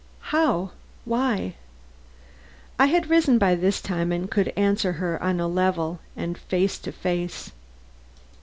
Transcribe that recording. "How? Why?" I had risen by this time and could answer her on a level and face to face.